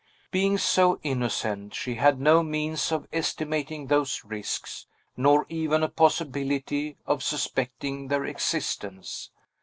Being so innocent, she had no means of estimating those risks, nor even a possibility of suspecting their existence.